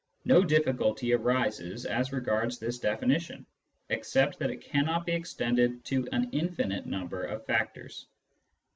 No difficulty arises as regards this definition, except that it cannot be extended to an infinite number of factors.